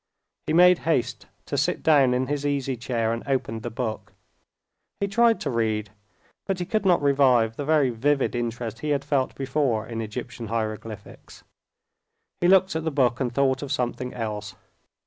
He made haste to sit down in his easy chair and opened the book. He tried to read, but he could not revive the very vivid interest he had felt before in Egyptian hieroglyphics. He looked at the book and thought of something else.